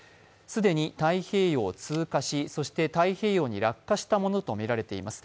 既に太平洋を通過し、そして太平洋に落下したものとみられています。